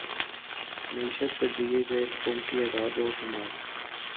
معیشت پر دیے گئے حکومتی اعداد و شمار